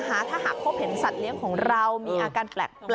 ถ้าหากพบเห็นสัตว์เลี้ยงของเรามีอาการแปลก